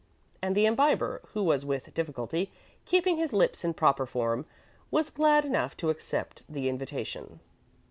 And the Imbiber, who was with difficulty keeping his lips in proper form, was glad enough to accept the invitation.